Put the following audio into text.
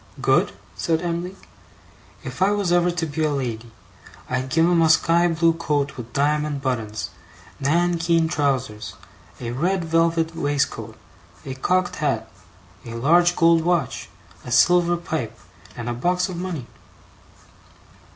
'Good?' said Em'ly. 'If I was ever to be a lady, I'd give him a sky blue coat with diamond buttons, nankeen trousers, a red velvet waistcoat, a cocked hat, a large gold watch, a silver pipe, and a box of money.